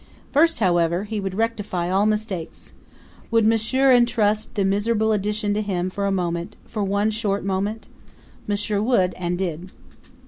First, however, he would rectify all mistakes. Would monsieur intrust the miserable addition to him for a moment, for one short moment? Monsieur would and did.